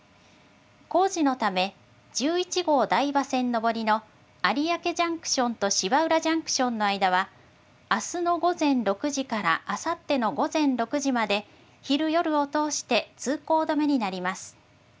工事のため、１１号台場線上りの有明ジャンクションと芝浦ジャンクションの間は、あすの午前６時からあさっての午前６時まで、昼夜を通して通行止めになります。